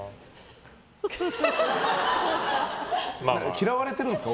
嫌われてるんですか？